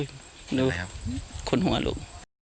อุ้ยดูคุณหัวลูก